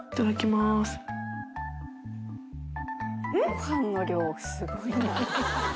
ごはんの量すごいな。